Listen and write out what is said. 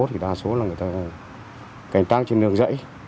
thì đa số là người ta cảnh trang trên nướng dãy